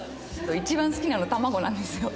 一番好きなの玉子なんですよ。